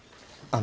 あ。